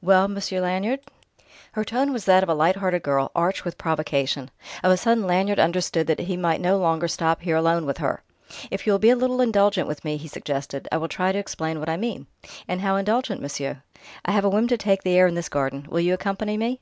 "Well, Monsieur Lanyard?" Her tone was that of a light hearted girl, arch with provocation. Of a sudden Lanyard understood that he might no longer stop here alone with her. "If you will be a little indulgent with me," he suggested, "I will try to explain what I mean." "And how indulgent, monsieur?" "I have a whim to take the air in this garden. Will you accompany me?"